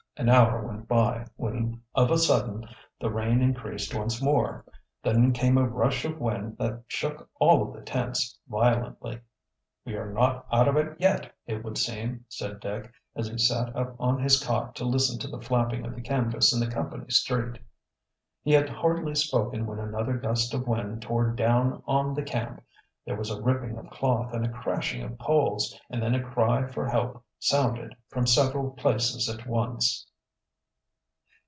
An hour went by, when of a sudden the rain increased once more. Then came a rush of wind that shook all of the tents violently. "We are not out of it yet, it would seem," said Dick, as he sat up on his cot to listen to the flapping of the canvas in the company street. He had hardly spoken when another gust of wind tore down on the camp. There was a ripping of cloth and a crashing of poles, and then a cry for help sounded from several places at once.